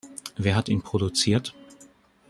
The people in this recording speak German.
Wer hat ihn produziert?